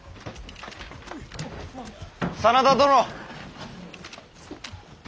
真田殿！